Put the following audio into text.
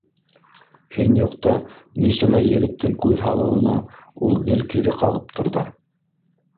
Һин юҡта нисәмә егеттең күҙ һалыуына ул гел кире ҡағып торҙо.